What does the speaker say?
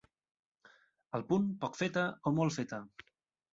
Al punt, poc feta o molt feta?